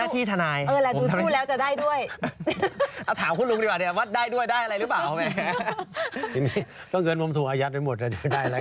ผมทำหน้าที่ธนายผมทำหน้าที่ธนาย